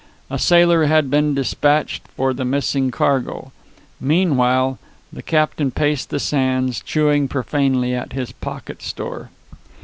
A sailor had been dispatched for the missing cargo. Meanwhile the captain paced the sands, chewing profanely at his pocket store.